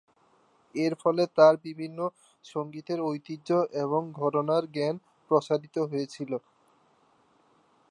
এর ফলে তার বিভিন্ন সংগীতের ঐতিহ্য এবং ঘরানার জ্ঞান প্রসারিত হয়েছিল।